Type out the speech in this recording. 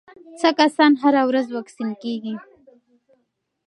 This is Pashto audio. څه کسان هره ورځ واکسین کېږي؟